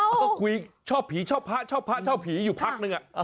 เขาก็คุยชอบผีชอบพระชอบพระชอบผีอยู่พักนึง